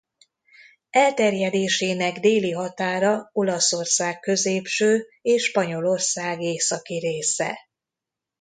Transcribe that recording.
Elterjedésének déli határa Olaszország középső és Spanyolország északi része.